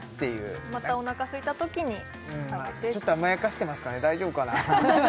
またおなかすいたときに食べてちょっと甘やかしてますかね大丈夫かな？